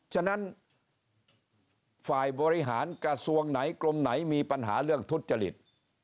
ฉะนั้นฝ่ายบริหารกระทรวงไหนกรมไหนมีปัญหาเรื่องทุจริต